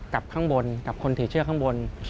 กับข้างบนกับคนถือเชือกข้างบน